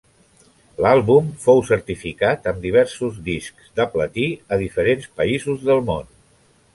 L'àlbum fou certificat amb diversos discs de platí a diferents països del món.